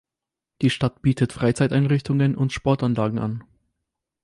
Die Stadt bietet Freizeiteinrichtungen und Sportanlagen an.